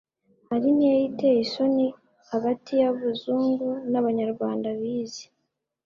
hari intera iteye isoni hagati y'abazungu n'abanyarwanda bize